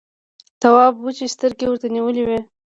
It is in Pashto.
تواب وچې سترګې ورته نيولې وې…